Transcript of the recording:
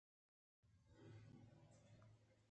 کہ آمنا بارت ءُ بندی کنت